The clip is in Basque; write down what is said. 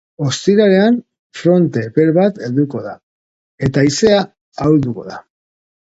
Ostiralean fronte epel bat helduko da, eta haizea ahulduko da.